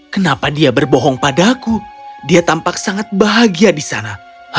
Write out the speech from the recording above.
kenapa dia berbohong padaku dia tampak sangat bahagia di sana